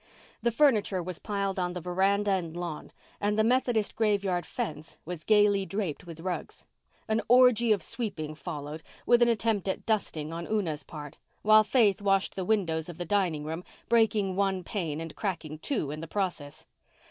The furniture was piled on the veranda and lawn and the Methodist graveyard fence was gaily draped with rugs. An orgy of sweeping followed, with an attempt at dusting on Una's part, while Faith washed the windows of the dining room, breaking one pane and cracking two in the process.